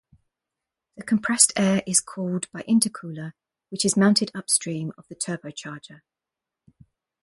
The compressed air is cooled by intercooler which is mounted upstream of the turbocharger.